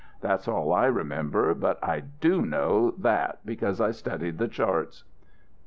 That's all I remember, but I do know that because I studied the charts."